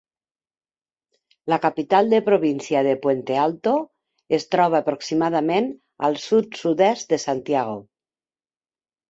La capital de província de Puente Alto es troba aproximadament al sud-sud-est de Santiago.